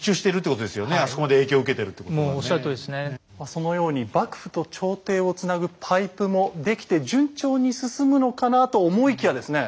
そのように幕府と朝廷をつなぐパイプも出来て順調に進むのかなと思いきやですね